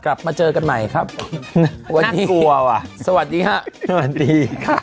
กลับมาเจอกันใหม่ครับวันนี้กลัวว่ะสวัสดีฮะสวัสดีค่ะ